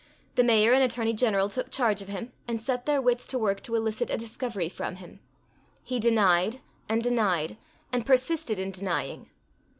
The Mayor and Attorney Gen'l took charge of him, and set their wits to work to elicit a discovery from him. He denied, and denied, and persisted in denying.